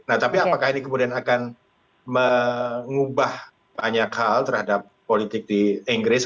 nah tapi apakah ini kemudian akan mengubah banyak hal terhadap politik di inggris